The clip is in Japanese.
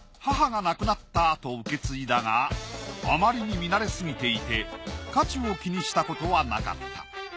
母が亡くなった後受け継いだがあまりに見慣れすぎていて価値を気にしたことはなかった。